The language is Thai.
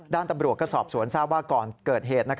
ด้านตำรวจก็สอบสวนทราบว่าก่อนเกิดเหตุ